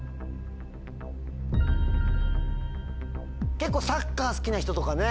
結構サッカー好きな人とかね。